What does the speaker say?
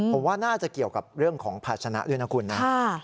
ผมว่าน่าจะเกี่ยวกับเรื่องของภาชนะด้วยนะคุณนะ